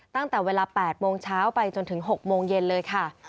ตั้งแต่เวลา๘โมงเช้าไปจนถึง๖โมงเย็นเลยค่ะ